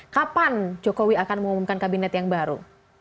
kapan jokowi akan mengumumkan kabinet yang baru